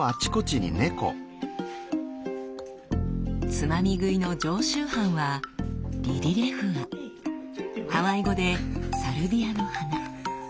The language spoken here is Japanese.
つまみ食いの常習犯はハワイ語で「サルビアの花」。